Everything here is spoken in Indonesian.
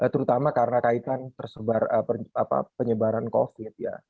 terutama karena kaitan penyebaran covid